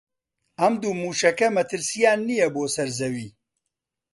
ئەم دوو مووشەکە مەترسییان نییە بۆ سەر زەوی